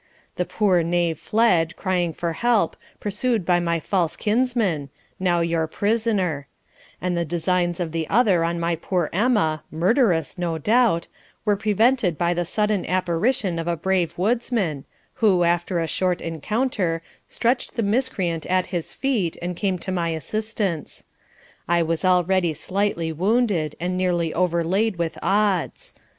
The poor knave fled, crying for help, pursued by my false kinsman, now your prisoner; and the designs of the other on my poor Emma (murderous no doubt) were prevented by the sudden apparition of a brave woodsman, who, after a short encounter, stretched the miscreant at his feet and came to my assistance. I was already slightly wounded, and nearly overlaid with odds.